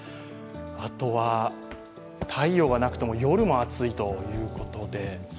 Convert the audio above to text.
あとは、太陽がなくても夜も暑いということで。